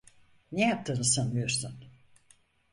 Ne yaptığını sanıyorsun?